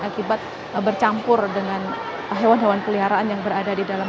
akibat bercampur dengan hewan hewan peliharaan yang berada di dalam